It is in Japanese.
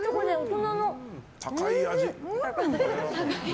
高い味！